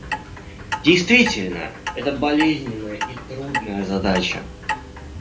Действительно, это болезненная и трудная задача.